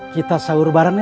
kita sahur bareng ya